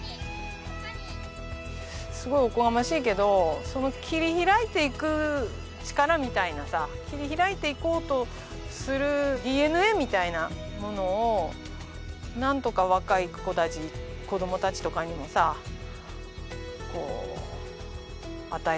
すごくおこがましいけど切り開いていく力みたいなさ切り開いていこうとするＤＮＡみたいなものをなんとか若い子たち子どもたちとかにもさこう与えたいなって